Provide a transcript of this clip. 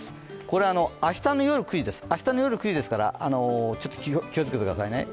これ、明日の夜９時ですからちょっと気をつけてくださいね。